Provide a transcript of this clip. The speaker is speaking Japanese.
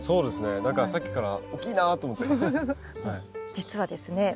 実はですね